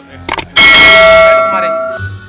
kita berdua pak haji